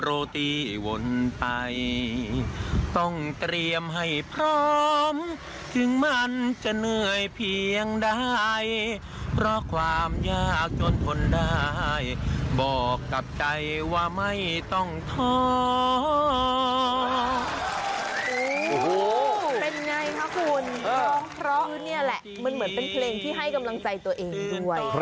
โอ้โหเป็นไงคะคุณร้องเพราะนี่แหละมันเหมือนเป็นเพลงที่ให้กำลังใจตัวเองด้วย